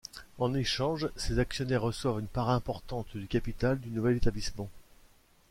En échange, ses actionnaires reçoivent une part importante du capital du nouvel établissement.